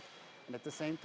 dan pada saat yang sama